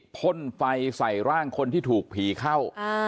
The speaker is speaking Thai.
พ่นไฟใส่ร่างคนที่ถูกผีเข้า